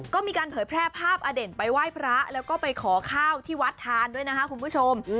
ก็มีการเผยแพร่ภาพอเด่นไปไหว้พระแล้วก็ไปขอข้าวที่วัดทานด้วยนะคะคุณผู้ชม